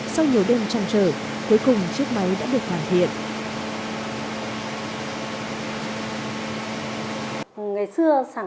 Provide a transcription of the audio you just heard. sau nhiều đêm chăng trở cuối cùng chiếc máy đã được hành động